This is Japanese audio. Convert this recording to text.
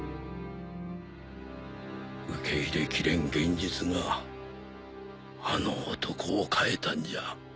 受け入れきれん現実があの男を変えたんじゃ。